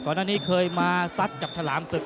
ก่อนหน้านี้เขามาสัดกับฉลามศึก